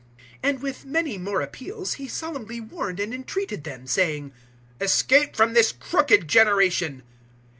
002:040 And with many more appeals he solemnly warned and entreated them, saying, "Escape from this crooked generation."